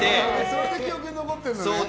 それで記憶に残ってるのね。